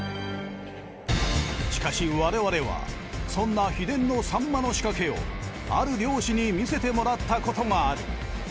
しかし我々はそんな秘伝のサンマの仕掛けをある漁師に見せてもらったことがある。